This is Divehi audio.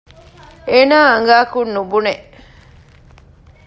އޭނާ އަނގައަކުން ނުބުނެ